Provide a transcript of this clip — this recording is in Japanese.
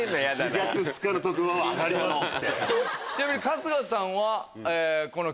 １月２日の特番はアガりますって。